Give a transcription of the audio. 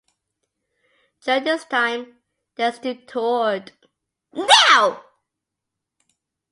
During this time, they still toured.